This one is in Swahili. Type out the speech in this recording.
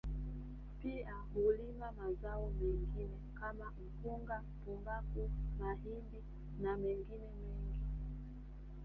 Pia hulima mazao mengine kama mpunga tumbaku mahindi na mengine mengi